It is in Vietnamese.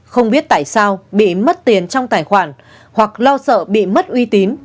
không biết tại sao bị mất tiền trong tài khoản hoặc lo sợ bị mất uy tín